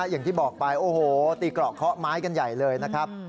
อย่างที่บอกไปโอ้โหตีเกราะเคาะไม้กันใหญ่เลยนะครับ